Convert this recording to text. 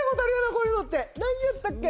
こういうのって何やったっけ？